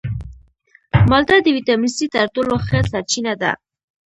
مالټه د ویټامین سي تر ټولو ښه سرچینه ده.